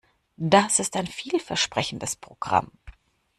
Das ist ein vielversprechendes Programm.